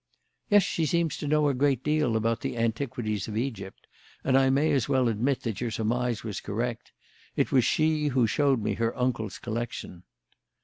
"Yes; she seems to know a great deal about the antiquities of Egypt, and I may as well admit that your surmise was correct. It was she who showed me her uncle's collection."